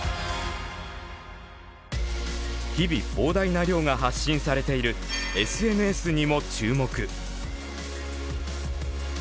日々膨大な量が発信されているＳＮＳにも注目。